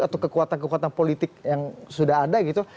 atau kekuatan kekuatan politik yang sudah ada gitu